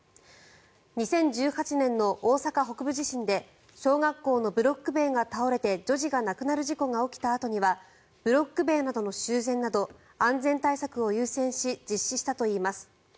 ２０１８年の大阪北部地震で小学校のブロック塀が倒れて女児が亡くなる事故が起きたあとにはブロック塀などの修繕など安全対策を優先し実施したといます。